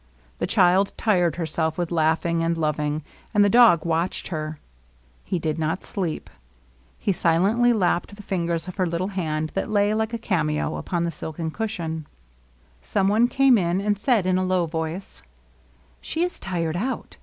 The child tired herself with laughing and loving, and the dog watched her ; he did not sleep ; he silentiy lapped the fingers of her little hand that lay like a cameo upon the silken cushion. 12 LOVELINESS. Some one came in and said in a low voice :'^ She is tired out.